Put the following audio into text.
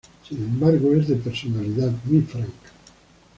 Sin embargo, es de personalidad muy franca.